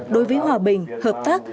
đối với hòa bình hợp tác